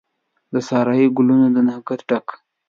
د سارایي ګلونو د نګهت ډک،